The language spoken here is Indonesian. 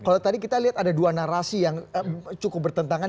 kalau tadi kita lihat ada dua narasi yang cukup bertentangan